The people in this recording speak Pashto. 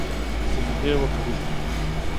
سجدې وکړي